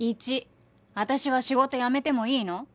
１私は仕事辞めてもいいの？